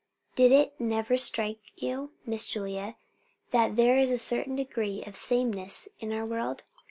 Did it never strike you, Miss Julia, that there is a certain degree of sameness in our world?